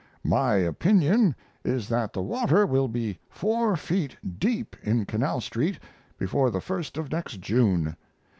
My opinion is that the water will be four feet deep in Canal Street before the first of next June.